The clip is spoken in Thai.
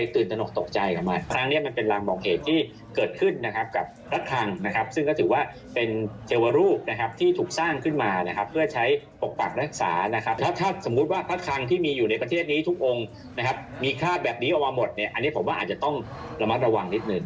ถ้าแบบนี้ออกมาหมดเนี่ยอันนี้ผมว่าอาจจะต้องระมัดระวังนิดหนึ่ง